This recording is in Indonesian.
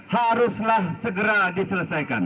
haruslah segera diselesaikan